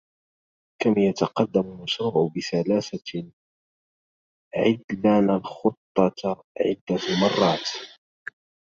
كي يتقدم المشروع بسلاسة، عدلنا الخطة عدة مرات.